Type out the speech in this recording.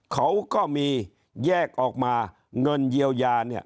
เขาก็มีแยกออกมาเงินเยียวยาเนี่ย